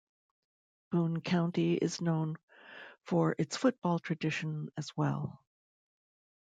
Boone County is known for its football tradition as well.